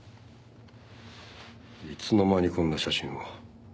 いつの間にこんな写真を。